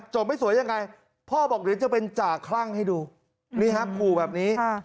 ไม่สวยยังไงพ่อบอกเดี๋ยวจะเป็นจ่าคลั่งให้ดูนี่ครับขู่แบบนี้